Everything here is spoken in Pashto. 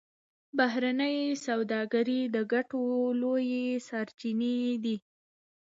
بهرنۍ سوداګري د ګټو لویې سرچینې دي